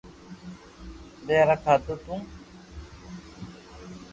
پآزا کاڌو تو